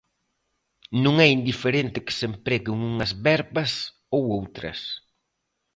Non é indiferente que se empreguen unhas verbas ou outras.